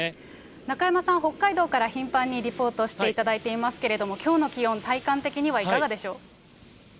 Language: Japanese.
中山さん、北海道から頻繁にリポートしていただいていますけれども、きょうの気温、体感的にはいかがでしょう。